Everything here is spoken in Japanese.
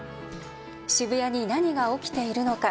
渋谷に何が起きているのか。